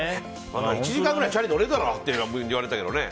１時間ぐらいチャリ乗れるだろって言われたけどね。